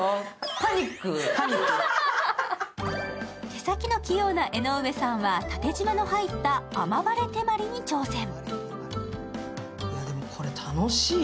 手先の器用な江上さんは縦じまの入った雨晴れ手鞠に挑戦。